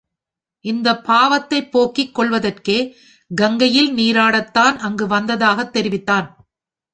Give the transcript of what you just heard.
இப் பாவத்தைப் போக்கிக் கொள்வதற்கே கங்கையில் நீராடத் தான் அங்கு வந்ததாகத் தெரிவித்தான்.